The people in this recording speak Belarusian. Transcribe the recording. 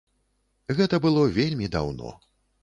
Гэта было вельмі даўно.